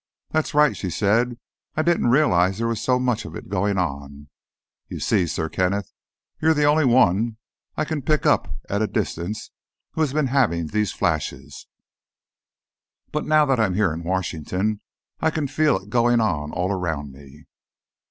"That's right," she said. "I didn't realize there was so much of it going on. You see, Sir Kenneth, you're the only one I can pick up at a distance who has been having these flashes. But now that I'm here in Washington, I can feel it going on all around me."